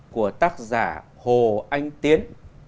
của tác giả hồ anh tiến